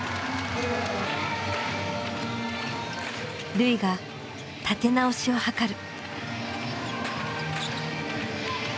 瑠唯が立て直しを図る。